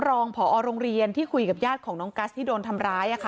ผอโรงเรียนที่คุยกับญาติของน้องกัสที่โดนทำร้าย